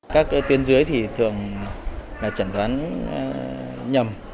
các tiến dưới thì thường là chẩn đoán nhầm